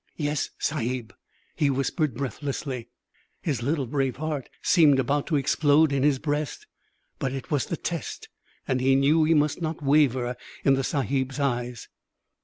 "Yes, Sahib," he whispered breathlessly. His little brave heart seemed about to explode in his breast. But it was the test, and he knew he must not waver in the sahib's eyes.